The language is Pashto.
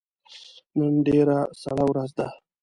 نن ډیره سړه ورځ ده